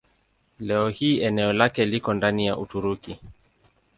Leo hii eneo lake liko ndani ya Uturuki.